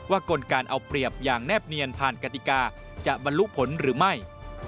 กลการเอาเปรียบอย่างแนบเนียนผ่านกติกาจะบรรลุผลหรือไม่